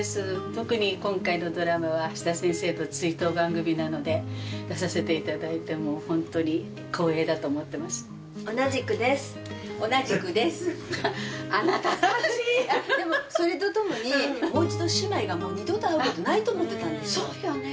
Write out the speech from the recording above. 特に今回のドラマは橋田先生の追悼番組なので出させていただいてもうホントに光栄だと思ってますでもそれとともにもう一度姉妹がもう二度と会うことないと思ってたんですそうよね